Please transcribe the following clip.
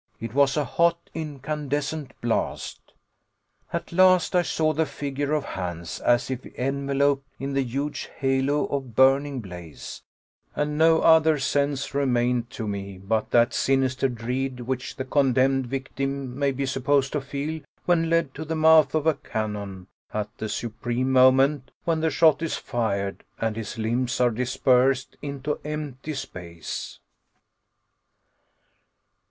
It was a hot, incandescent blast! At last I saw the figure of Hans as if enveloped in the huge halo of burning blaze, and no other sense remained to me but that sinister dread which the condemned victim may be supposed to feel when led to the mouth of a cannon, at the supreme moment when the shot is fired and his limbs are dispersed into empty space.